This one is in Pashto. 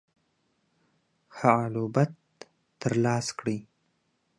هعلْهبت تر لاسَ کړئ.